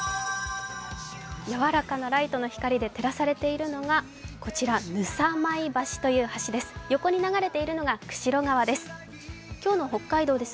やわらかなライトの光で照らされているのが、こちらの橋です。